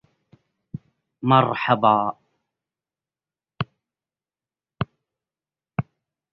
قل لابن بوران إن كان ابن بوران